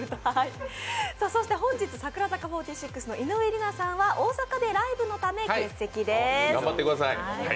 本日櫻坂４６の井上梨名さんは大阪でのライブのため欠席です。